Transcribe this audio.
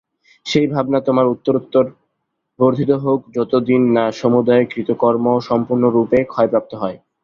সেই ভাবনা তোমার উত্তরোত্তর বর্ধিত হউক, যতদিন না সমুদয় কৃতকর্ম সম্পূর্ণরূপে ক্ষয়প্রাপ্ত হয়।